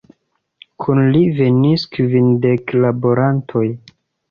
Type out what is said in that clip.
Kun li venis kvindek laborantoj.